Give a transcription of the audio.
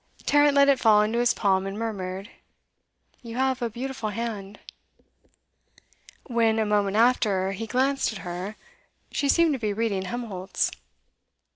Tarrant let it fall into his palm, and murmured, 'You have a beautiful hand.' When, a moment after, he glanced at her, she seemed to be reading Helmholtz.